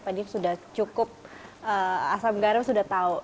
pak did sudah cukup asam garam sudah tahu